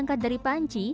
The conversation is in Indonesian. diangkat dari panci